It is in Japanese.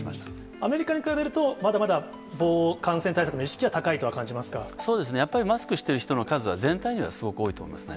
アメリカに比べると、感染対そうですね、やっぱりマスクしている人の数は、全体ではすごく多いと思いますね。